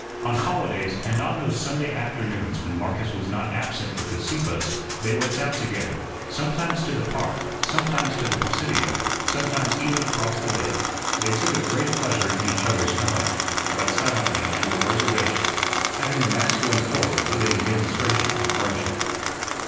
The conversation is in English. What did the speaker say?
On holidays and on those Sunday afternoons when Marcus was not absent with the Sieppes they went out together, sometimes to the park, sometimes to the Presidio, sometimes even across the bay. They took a great pleasure in each other's company, but silently and with reservation, having the masculine horror of any demonstration of friendship.